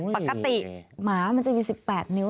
ปกติหมามันจะมี๑๘นิ้ว